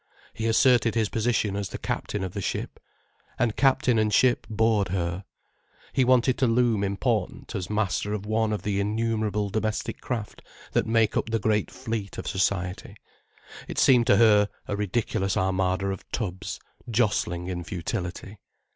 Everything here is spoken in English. He asserted his position as the captain of the ship. And captain and ship bored her. He wanted to loom important as master of one of the innumerable domestic craft that make up the great fleet of society. It seemed to her a ridiculous armada of tubs jostling in futility.